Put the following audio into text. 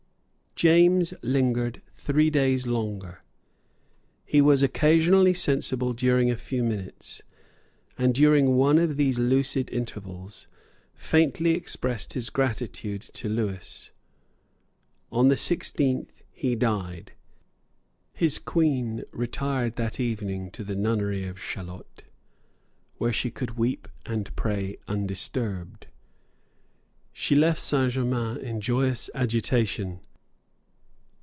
James lingered three days longer. He was occasionally sensible during a few minutes, and, during one of these lucid intervals, faintly expressed his gratitude to Lewis. On the sixteenth he died. His Queen retired that evening to the nunnery of Chaillot, where she could weep and pray undisturbed. She left Saint Germains in joyous agitation.